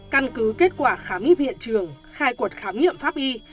căn cứ kết quả khám nghiệm hiện trường khai quật khám nghiệm pháp y